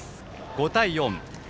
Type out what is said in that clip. ５対４。